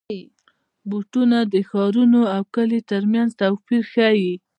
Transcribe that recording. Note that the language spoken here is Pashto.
بوټونه د ښارونو او کلیو ترمنځ توپیر ښيي.